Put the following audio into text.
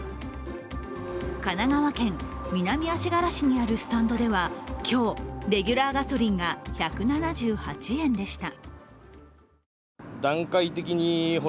神奈川県南足柄市にあるスタンドでは今日、レギュラーガソリンが１７８円でした。